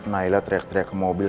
naila teriak teriak ke mobil